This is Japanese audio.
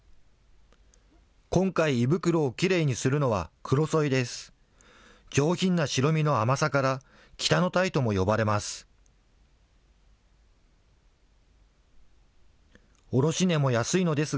今回、胃袋をきれいにするのはクロソイです。